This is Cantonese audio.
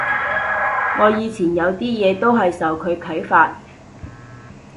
我以前有啲嘢都係受佢啓發